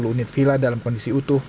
tiga puluh unit vila dalam kondisi utuh